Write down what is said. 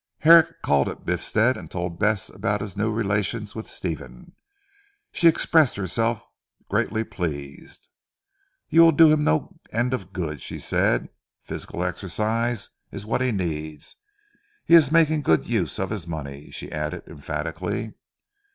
Herrick called at Biffstead, and told Bess about his new relations with Stephen. She expressed herself greatly pleased. "You will do him no end of good," she said, "physical exercise is what he needs. He in making good use of his money," she added emphatically.